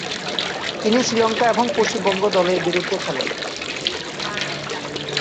তিনি শ্রীলঙ্কা এবং পশ্চিমবঙ্গ দলের বিরুদ্ধে খেলেন।